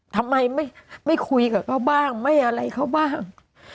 ทำไมไม่คุยกับเขาบ้างไม่อะไรเขาบ้าง